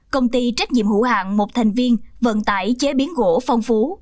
công ty trách nhiệm hữu hạng một thành viên vận tải chế biến gỗ phong phú